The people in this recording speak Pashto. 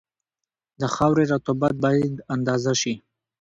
د خاورې رطوبت باید اندازه شي